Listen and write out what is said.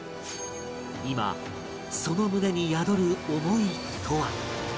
今その胸に宿る思いとは？